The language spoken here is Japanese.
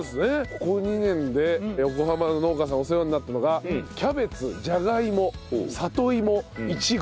ここ２年で横浜の農家さんお世話になったのがキャベツじゃがいも里芋イチゴ